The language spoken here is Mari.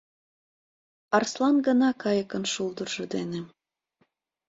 Арслан гына кайыкын шулдыржо дене